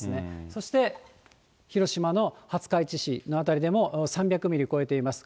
そして、広島の廿日市市の辺りでも、３００ミリを超えています。